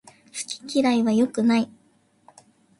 好き嫌いは良くない